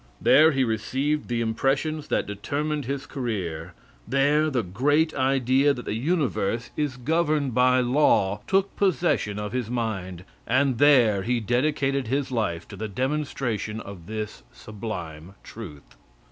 There he received the impressions that determined his career; there the great idea that the universe is governed by law took possession of his mind, and there he dedicated his life to the demonstration of this sublime truth.